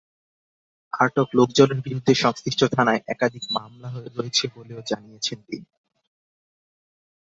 আটক লোকজনের বিরুদ্ধে সংশ্লিষ্ট থানায় একাধিক মামলা রয়েছে বলেও জানিয়েছেন তিনি।